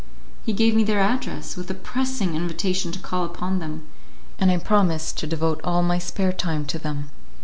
He gave me their address, with a pressing invitation to call upon them, and I promised to devote all my spare time to them.